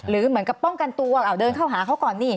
เหมือนกับป้องกันตัวเอาเดินเข้าหาเขาก่อนนี่